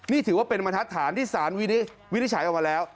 นี่ถือว่าเป็นบรรทัดฐานที่สารวินิจฉัยออกมาแล้ว